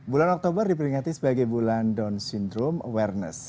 bulan oktober diperingati sebagai bulan down syndrome awareness